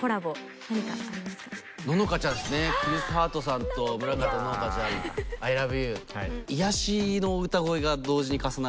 乃々佳ちゃんですねクリス・ハートさんと村方乃々佳ちゃん『ＩＬＯＶＥＹＯＵ』。